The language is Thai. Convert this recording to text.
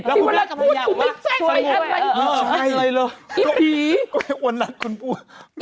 ใช่เปล่าใช่เปล่าปีปีอีห์อันนั้นคุณพูด